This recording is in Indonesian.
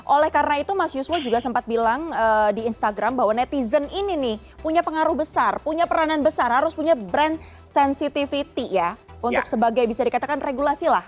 oleh karena itu mas yuswo juga sempat bilang di instagram bahwa netizen ini nih punya pengaruh besar punya peranan besar harus punya brand sensitivity ya untuk sebagai bisa dikatakan regulasi lah